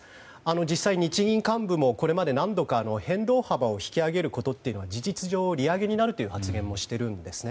実際、日銀幹部もこれまで何度か変動幅を引き上げることは事実上利上げになるという発言もしているんですね。